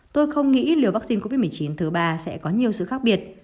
tôi không nghĩ liều vắc xin covid một mươi chín thứ ba sẽ có nhiều sự khác biệt